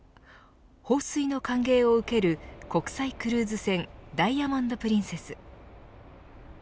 放水の歓迎を受ける国際クルーズ船ダイヤモンド・プリンセス。